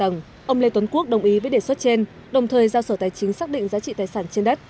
ông lê tuấn quốc đồng ý với đề xuất trên đồng thời giao sở tài chính xác định giá trị tài sản trên đất